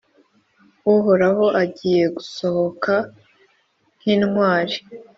Uhoraho agiye gusohoka nk’intwari,